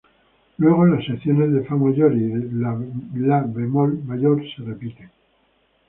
Luego las secciones de fa mayor y la bemol mayor se repiten.